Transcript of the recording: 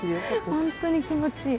本当に気持ちいい。